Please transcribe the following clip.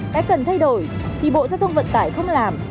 cái cần thay đổi thì bộ giao thông vận tải không làm